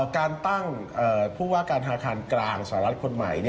การตั้งผู้ว่าการธนาคารกลางสหรัฐคนใหม่